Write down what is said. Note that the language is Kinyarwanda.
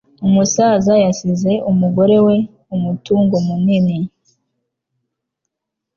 Umusaza yasize umugore we umutungo munini.